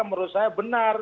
menurut saya benar